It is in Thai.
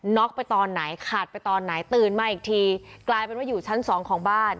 ็อกไปตอนไหนขาดไปตอนไหนตื่นมาอีกทีกลายเป็นว่าอยู่ชั้นสองของบ้าน